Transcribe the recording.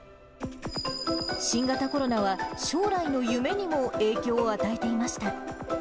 新型コロナは、将来の夢にも影響を与えていました。